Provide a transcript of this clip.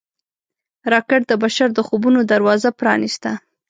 راکټ د بشر د خوبونو دروازه پرانیسته